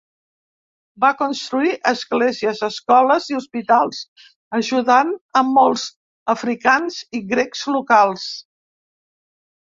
Va construir esglésies, escoles i hospitals, ajudant a molts africans i grecs locals.